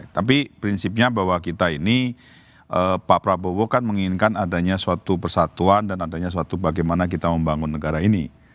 tapi prinsipnya bahwa kita ini pak prabowo kan menginginkan adanya suatu persatuan dan adanya suatu bagaimana kita membangun negara ini